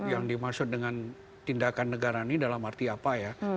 yang dimaksud dengan tindakan negara ini dalam arti apa ya